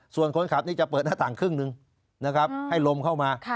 ส่วนคนขับนี่จะเปิดหน้าต่างครึ่งหนึ่งนะครับให้ลมเข้ามา